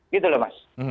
gitu loh mas